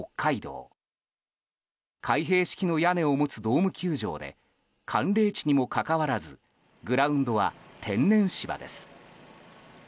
開閉式の屋根を持つドーム球場で寒冷地にもかかわらずグラウンドは天然芝です。